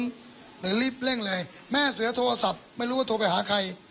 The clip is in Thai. กสัตว์ไม่รู้ว่าโทรไปหาใครแม่เสือโทรสัตม์ไม่รู้ว่าโทรไปหาใคร